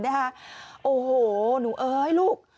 โอ้โหหนูเอ้ยลูก